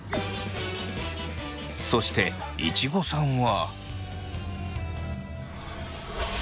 そしていちごさんは。